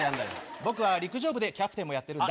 僕は陸上部でキャプテンもやってるんだ。